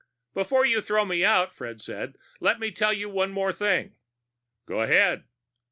"Before you throw me out," Fred said, "let me tell you one more thing." "Go ahead."